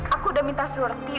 aku udah minta surti